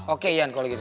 oke ian kalau gitu